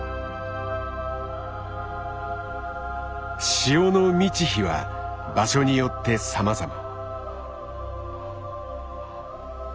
潮の満ち干は場所によってさまざま。